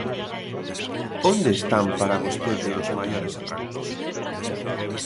_¿Onde están para vostede os maiores atrancos?